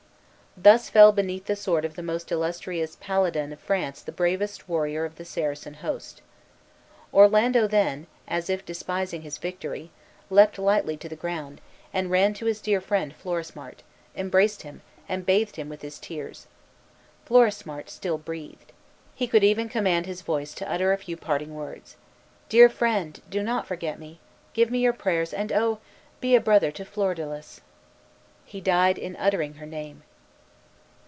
Thus fell beneath the sword of the most illustrious paladin of France the bravest warrior of the Saracen host. Orlando then, as if despising his victory, leaped lightly to the ground, and ran to his dear friend Florismart, embraced him, and bathed him with his tears. Florismart still breathed. He could even command his voice to utter a few parting words: "Dear friend, do not forget me, give me your prayers, and oh! be a brother to Flordelis." He died in uttering her name.